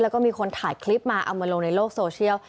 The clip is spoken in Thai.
แล้วก็มีคนถ่ายคลิปมาเอามาลงในโลกโซเชียล